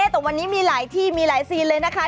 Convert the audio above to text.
แต่วันนี้มีหลายที่มีหลายซีนเลยนะคะ